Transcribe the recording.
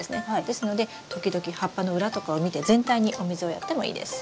ですので時々葉っぱの裏とかを見て全体にお水をやってもいいです。